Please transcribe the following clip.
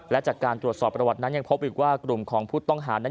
และจากการตรวจสอบประวัตินั้นยังพบอีกว่ากลุ่มของผู้ต้องหานั้น